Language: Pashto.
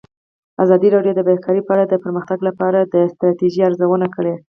ازادي راډیو د بیکاري په اړه د پرمختګ لپاره د ستراتیژۍ ارزونه کړې.